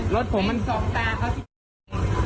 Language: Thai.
รถผมมันส่องตาเขา